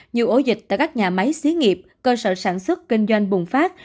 nhiều ổ dịch tại các nhà máy xí nghiệp cơ sở sản xuất kinh doanh bùng phát